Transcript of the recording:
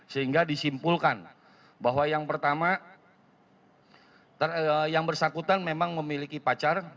sehingga disimpulkan bahwa yang pertama yang bersangkutan memang memiliki pacar